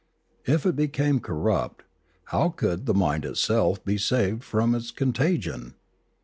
If it became corrupt, how could the mind itself be saved from its contagion